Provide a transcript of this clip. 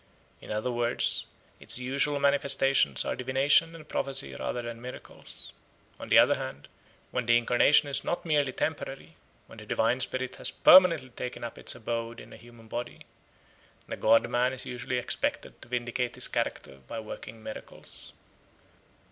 In other words, its usual manifestations are divination and prophecy rather than miracles. On the other hand, when the incarnation is not merely temporary, when the divine spirit has permanently taken up its abode in a human body, the god man is usually expected to vindicate his character by working miracles.